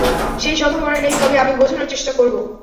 সেই সম্ভাবনা নেই, তবে আমি বোঝানোর চেষ্টা করবো।